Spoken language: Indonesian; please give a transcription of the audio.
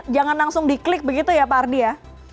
jangan langsung diklik begitu ya pak ardi ya